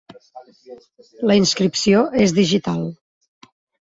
La inscripció és digital.